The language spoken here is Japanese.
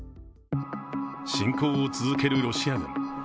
侵攻を続けるロシア軍。